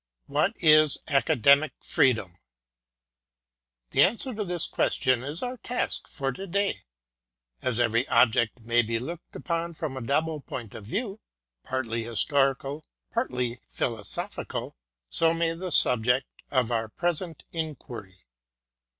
What is Academic Freedom ? The answer to this question is our task for to day. As every object may be looked upon from a double point of view, partly historical, partly philo sophical, so may the subject of our present inquiry.